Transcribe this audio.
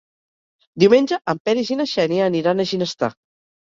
Diumenge en Peris i na Xènia aniran a Ginestar.